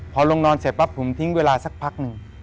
พอลงนอนเสร็จปั๊บผมทิ้งเวลาสักพักหนึ่ง